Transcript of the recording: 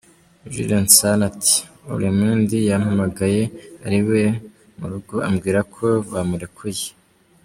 Jules Nsana ati “Olomide yampamagaye ari iwe mu rugo ambwira ko bamurekuye.